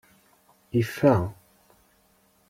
Ifa.